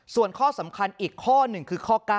ส่วนข้อสำคัญอีกข้อหนึ่งคือข้อ๙